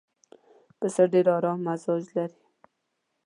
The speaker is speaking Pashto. پسه ډېر ارام مزاج لري.